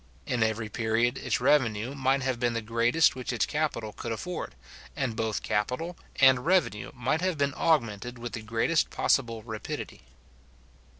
In every period its revenue might have been the greatest which its capital could afford, and both capital and revenue might have been augmented with the greatest possible rapidity.